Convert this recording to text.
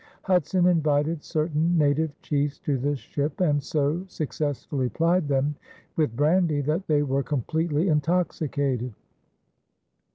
Hudson invited certain native chiefs to the ship and so successfully plied them with brandy that they were completely intoxicated.